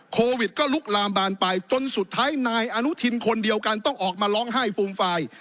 โควิดก็ลุกลามบานไปจนสุดท้ายนายอนุทินคนเดียวกันต้องออกมาร้องไห้ฟูมฟาย